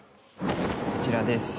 こちらです。